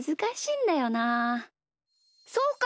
そうか！